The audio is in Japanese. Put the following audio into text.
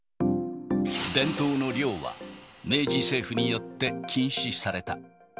伝統の猟は、明治政府によって禁止された。